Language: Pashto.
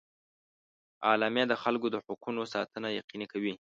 اعلامیه د خلکو د حقونو ساتنه یقیني کوي.